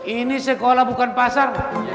ini sekolah bukan pasar